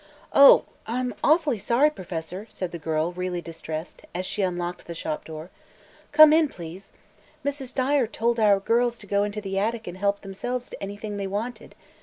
"Oh, I'm awfully sorry, Professor," said the girl, really distressed, as she unlocked the Shop door. "Come in, please. Mrs. Dyer told our girls to go into the attic and help themselves to anything they wanted.